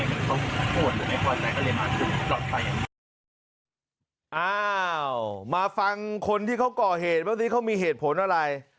อ้าวมาฟังคนที่เขาก่อเหตุว่านี้เขามีเหตุผลอะไร